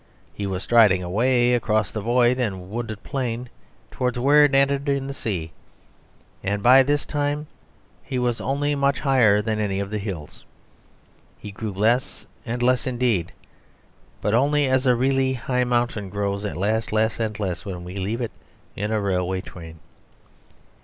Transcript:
He was striding away across the void and wooded plain towards where it ended in the sea; and by this time he was only much higher than any of the hills. He grew less and less indeed; but only as a really high mountain grows at last less and less when we leave it in a railway train.